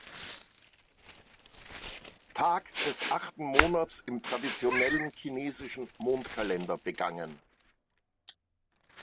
Tag des achten Monats im traditionellen chinesischen Mondkalender begangen.